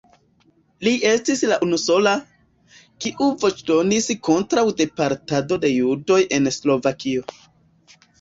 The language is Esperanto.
Li estis la unusola, kiu voĉdonis kontraŭ deportado de judoj en Slovakio.